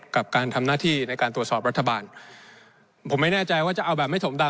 กับการทำหน้าที่ในการตรวจสอบรัฐบาลผมไม่แน่ใจว่าจะเอาแบบไม่ถมดาว